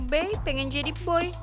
bayi pengen jadi boy